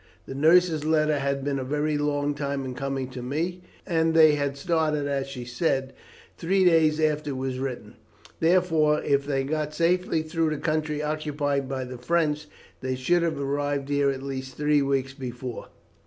The nurse's letter had been a very long time in coming to me, and they had started, as she said, three days after it was written, therefore if they had got safely through the country occupied by the French they should have arrived here at least three weeks before.